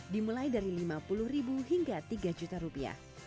dimulai dari lima puluh ribu hingga tiga juta rupiah